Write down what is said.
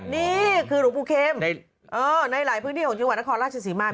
นี่คือหลุงภูเขมในหลายพื้นที่ของชีวิตหวัดนครราชศรีมาตย์